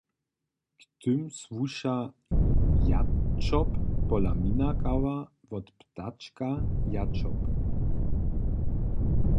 K tym słuša Jatřob pola Minakała, wot ptačka jatřob.